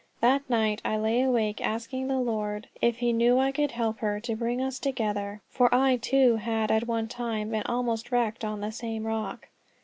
That night I lay awake asking the Lord, if he knew I could help her, to bring us together, for I, too, had at one time been almost wrecked on the same rock.